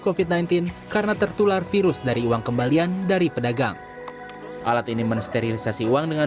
covid sembilan belas karena tertular virus dari uang kembalian dari pedagang alat ini mensterilisasi uang dengan